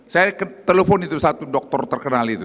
saya telepon itu satu dokter terkenal itu